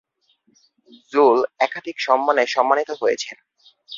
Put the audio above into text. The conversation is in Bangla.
জুল একাধিক সম্মানে সম্মানিত হয়েছেন।